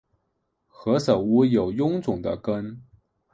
何首乌有臃肿的根